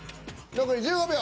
残り１５秒！